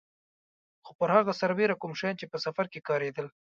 خو پر هغه سربېره کوم شیان چې په سفر کې په کارېدل.